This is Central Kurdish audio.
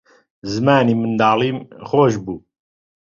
زەمانی منداڵیم خۆش بوو